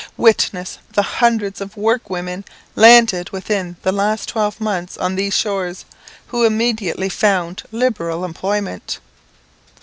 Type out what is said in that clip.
Witness the hundreds of work women landed within the last twelve months on these shores, who immediately found liberal employment.